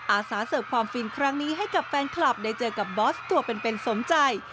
อาสาเสิร์ฟความฟินครั้งนี้ให้กับแฟนคลับได้เจอกับบอสตัวเป็นสมใจ